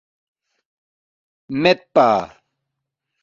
”میدپا”